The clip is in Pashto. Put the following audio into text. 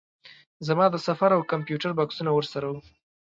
زما د سفر او کمپیوټر بکسونه ورسره وو.